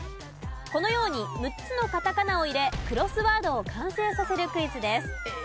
このように６つのカタカナを入れクロスワードを完成させるクイズです。